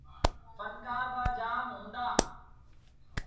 ڦنڪآر با جآم هُݩدآ۔